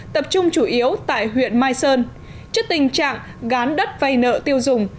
tập trung chủ yếu tại huyện mai sơn trước tình trạng gán đất vay nợ tiêu dùng